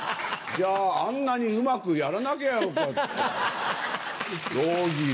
じゃああんなにうまくやらなきゃよかった「大喜利」。